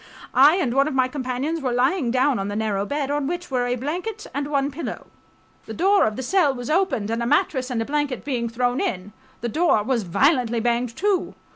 I and one of my companions were lying down on the narrow bed, on which were a blanket and one pillow. The door of the cell was opened and a mattress and a blanket being thrown in, the door was violently banged to